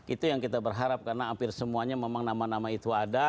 itu yang kita berharap karena hampir semuanya memang nama nama itu ada